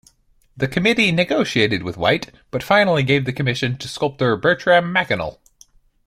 The committee negotiated with White, but finally gave the commission to sculptor Bertram Mackennal.